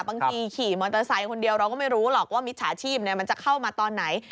ขี่มอเตอร์ไซค์คนเดียวเราก็ไม่รู้หรอกว่ามิจฉาชีพมันจะเข้ามาตอนไหน